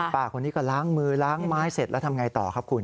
ป้าคนนี้ก็ล้างมือล้างไม้เสร็จแล้วทำไงต่อครับคุณ